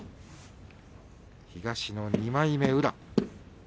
東の２枚目、宇良。